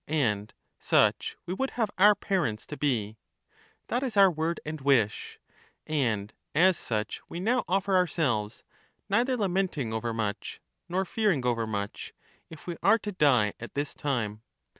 And such we would have our parents to be — that is our word and wish, and as such we now offer our selves, neither lamenting overmuch, nor fearing overmuch, if we are to die at this time.